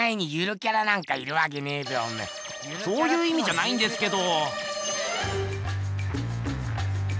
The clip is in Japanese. そういういみじゃないんですけど。